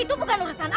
itu bukan urusanmu bu